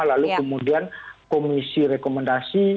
lalu kemudian komisi rekomendasi